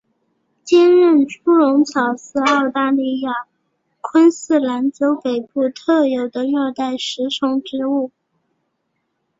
坚韧猪笼草是澳大利亚昆士兰州北部特有的热带食虫植物。